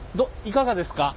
いかがですか？